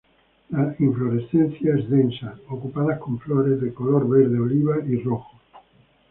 La inflorescencia es densa ocupadas con flores, de color verde oliva y rojo.